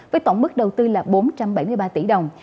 với tổng mức đầu tư là bốn trăm bảy mươi ba tỷ đồng